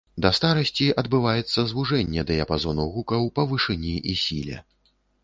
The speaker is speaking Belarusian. Да старасці адбываецца звужэнне дыяпазону гукаў па вышыні і сіле.